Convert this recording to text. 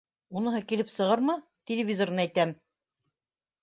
— Уныһы килеп сығырмы һуң? Телевизорын әйтәм